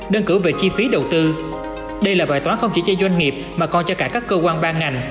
đơn cử về chi phí đầu tư đây là bài toán không chỉ cho doanh nghiệp mà còn cho cả các cơ quan ban ngành